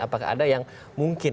apakah ada yang mungkin